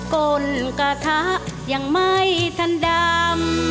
ก้นกระทะยังไม่ทันดำ